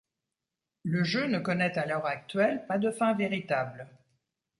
Le jeu ne connaît à l'heure actuelle pas de fin véritable.